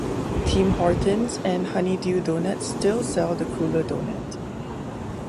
Tim Hortons, and Honey Dew Donuts still sell the Cruller doughnut.